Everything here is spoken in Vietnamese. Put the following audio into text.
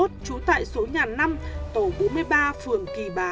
trú tại số nhà năm tổ bốn mươi ba phường kỳ bà